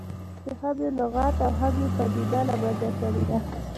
چې هم یې لغت او هم یې پدیده له منځه تللې ده.